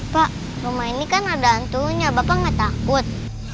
pak rumah ini kan ada hantunya bapak nggak takut